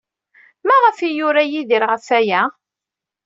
Maɣef ay yura Yidir ɣef waya?